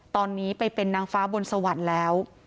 ตอนนี้ไปเป็นนางฟ้าบนสวรรค์แล้ว